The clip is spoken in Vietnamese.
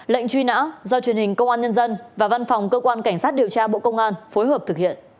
lệnh truy nã do truyền hình công an nhân dân và văn phòng cơ quan cảnh sát điều tra bộ công an phối hợp thực hiện